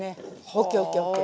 ＯＫＯＫＯＫ。